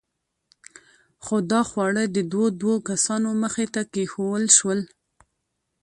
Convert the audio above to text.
خو دا خواړه د دوو دوو کسانو مخې ته کېښوول شول.